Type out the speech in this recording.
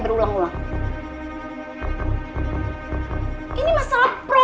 karena kamu udah jadi menyolat kontrak